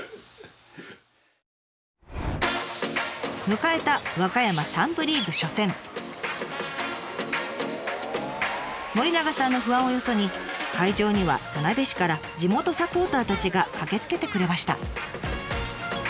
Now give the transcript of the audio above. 迎えた森永さんの不安をよそに会場には田辺市から地元サポーターたちが駆けつけてくれました。